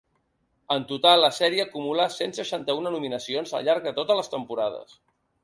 En total, la sèrie acumula cent seixanta-una nominacions al llarg de totes les temporades.